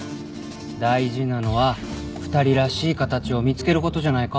大事なのは２人らしい形を見つけることじゃないか？